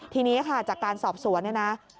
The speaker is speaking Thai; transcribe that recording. ทีนี้จากการสอบสวน